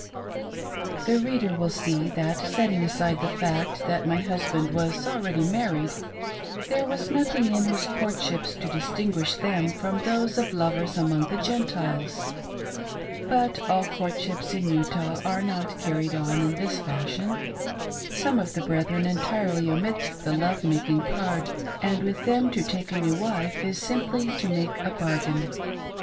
THE reader will see that, setting aside the fact that my husband was already married, there was nothing in his courtships to distinguish them from those of lovers among the Gentiles. But all courtships in Utah are not carried on in this fashion. Some of the brethren entirely omit the love making part, and with them to take a new wife is simply to make a bargain.